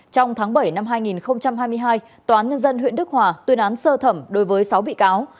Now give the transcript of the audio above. trong tháng bảy năm hai nghìn hai mươi hai tòa án nhân dân huyện đức hòa tuyên án sơ thẩm đối với sáu bị cáo